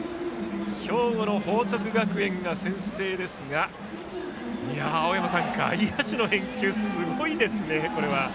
兵庫の報徳学園が先制ですが青山さん、外野手の返球すごいですね！